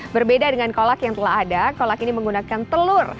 berbeda dengan kolak yang telah ada kolak ini menggunakan telur